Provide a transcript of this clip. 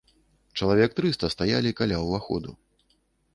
Чалавек трыста стаялі каля ўваходу.